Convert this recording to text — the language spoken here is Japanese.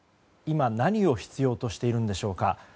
今、何を必要としているんでしょうか。